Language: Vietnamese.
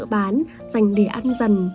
dành để ăn dần